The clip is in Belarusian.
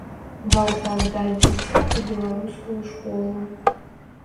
Варта аддаць дзіця ў беларускую школу.